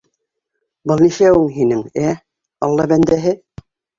- Был нишләүең һинең, ә, алла бәндәһе?